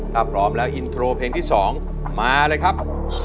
ถ้าพร้อมแล้วอินโทรเพลงที่๒มาเลยครับ